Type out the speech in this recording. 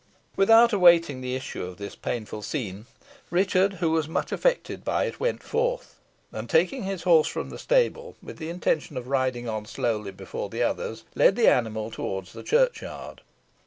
Without awaiting the issue of this painful scene, Richard, who was much affected by it, went forth, and taking his horse from the stable, with the intention of riding on slowly before the others, led the animal towards the churchyard.